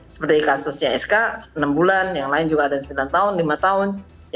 seperti kasusnya sk enam bulan yang lain juga ada yang sembilan tahun lima tahun